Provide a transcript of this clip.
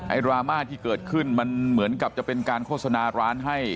ดราม่าที่เกิดขึ้นมันเหมือนกับจะเป็นการโฆษณาร้านให้